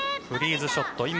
フリーズショット。